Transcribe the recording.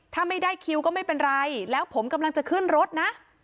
ถ้าไม่ได้คิวก็ไม่เป็นไรแล้วผมกำลังจะขึ้นรถนะ